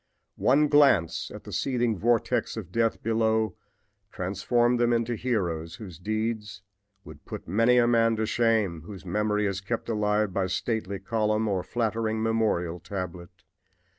One glance at the seething vortex of death below transformed them into heroes whose deeds would put many a man to shame whose memory is kept alive by stately column or flattering memorial tablet.